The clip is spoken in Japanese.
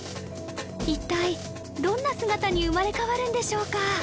一体どんな姿に生まれ変わるんでしょうか？